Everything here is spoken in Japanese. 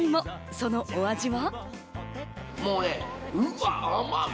そのお味は。